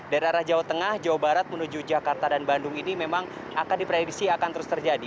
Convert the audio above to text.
dari arah jawa tengah jawa barat menuju jakarta dan bandung ini memang akan diprediksi akan terus terjadi